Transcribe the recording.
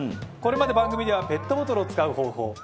これまで番組ではペットボトルを使う方法